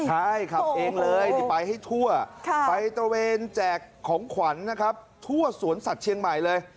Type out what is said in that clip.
ถ้ายังไปให้ทั่วข้างไปเตอร์เวนแจกของขวัญนะครับทั่วสวนสัตว์เชียงใหม่เลย